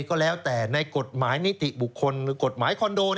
ก็แล้วแต่ในกฎหมายนิติบุคคลหรือกฎหมายคอนโด